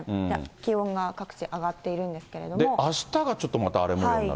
気温が各地上がっているんですけで、あしたがちょっとまた荒れもようになる。